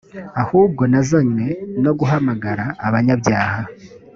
ahubwo nazanywe no guhamagara abanyabyaha